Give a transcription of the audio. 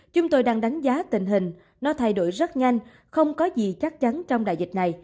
chúng tôi đang đánh giá tình hình nó thay đổi rất nhanh không có gì chắc chắn trong đại dịch này